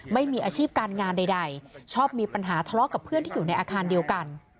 ไม่มีอาชีพการงานใดชอบมีปัญหาทะเลาะกับเพื่อนที่อยู่ในอาคารเดียวกัน